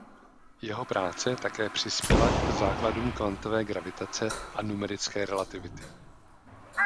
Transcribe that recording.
Jeho práce také přispěla k základům kvantové gravitace a numerické relativity.